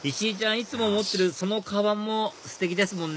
いつも持ってるそのカバンもステキですもんね